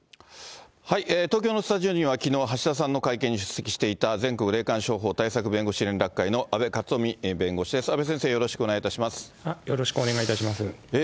東京のスタジオには、きのう、橋田さんの会見に出席していた、全国霊感商法対策弁護士連絡会の阿部克臣弁護士です、阿部先生、よろしくお願いいたします。